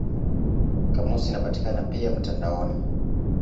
Kamusi inapatikana pia mtandaoni.